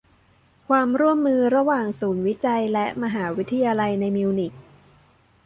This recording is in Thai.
ความร่วมมือระหว่างศูนย์วิจัยและมหาวิทยาลัยในมิวนิก